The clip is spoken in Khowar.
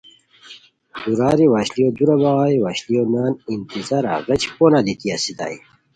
دُوراری وشلیو دُورہ بغائے وشلیو نان انتظارا غیچ پونہ دیتی استائے